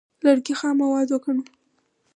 لرګي خام مواد وګڼو.